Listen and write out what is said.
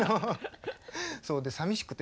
そうさみしくて。